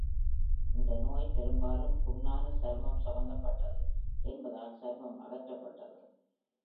இந்த நோய் பெரும்பாலும் புண்ணான சருமம் சம்பந்தப்பட்டது என்பதால், சருமம் அகற்றப்பட்டது.